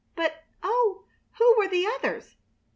But, oh, who were the others?